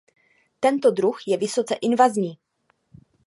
Tento druh je vysoce invazní.